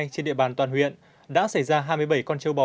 trên địa bàn toàn huyện đã xảy ra hai mươi bảy con châu bò